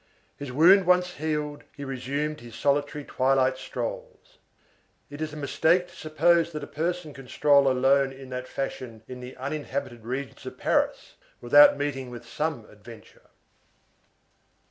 His wound once healed, he resumed his solitary twilight strolls. It is a mistake to suppose that a person can stroll alone in that fashion in the uninhabited regions of Paris without meeting with some adventure.